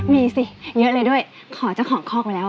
มีสิเยอะเลยด้วยเขาจะของครองไปแล้วอะ